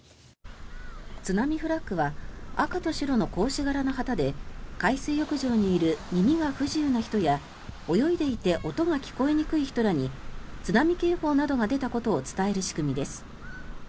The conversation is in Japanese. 津波フラッグは赤と白の格子柄の旗で海水浴場にいる耳が不自由な人や泳いでいて音が聞こえにくい人らに津波警報などが出たことを伝える仕組みです。